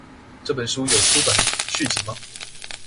這本書有出版續集嗎？